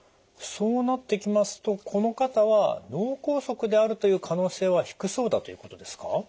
そうなってきますとこの方は脳梗塞であるという可能性は低そうだということですか？